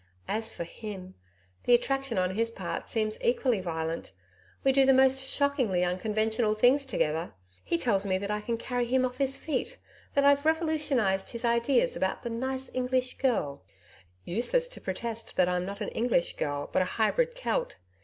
As for HIM, the attraction on his part seems equally violent. We do the most shockingly unconventional things together. He tells me that I carry him off his feet that I've revolutionised his ideas about the "nice English Girl" (useless to protest that I'm not an English girl but a hybrid Celt).